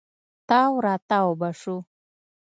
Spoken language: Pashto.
تاو راتاو به سو.